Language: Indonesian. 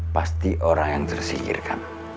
pasti orang yang tersingkirkan